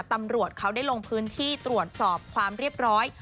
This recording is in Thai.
ตำรวจเขาได้ลงพื้นที่ตรวจสอบความเรียบร้อย